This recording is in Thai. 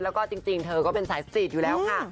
แล้วก็จริงเธอก็เป็นสายสตรีทอยู่แล้วค่ะ